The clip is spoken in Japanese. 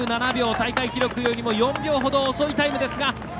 大会記録よりも４秒ほど遅いタイムでしたが。